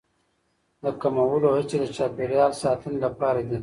د کمولو هڅې د چاپیریال ساتنې لپاره دي.